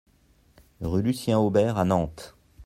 Rue Lucien Aubert à Nantes